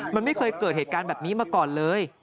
มันไม่เคยเกิดเหตุการณ์แบบนี้มาก่อนเลย